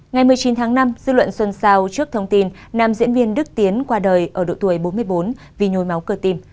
ngày một mươi chín tháng năm dư luận xuân sao trước thông tin nam diễn viên đức tiến qua đời ở độ tuổi bốn mươi bốn vì nhồi máu cơ tim